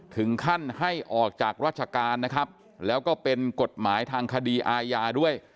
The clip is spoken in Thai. ถึงขั้นให้ออกจากราชการนะครับแล้วก็เป็นกฎหมายทางคดีอาญาด้วย